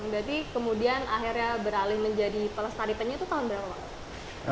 jadi kemudian akhirnya beralih menjadi pelestari penyu itu tahun berapa